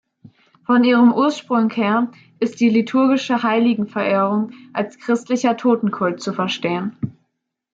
Von ihrem Ursprung her ist die liturgische Heiligenverehrung als christlicher Totenkult zu verstehen.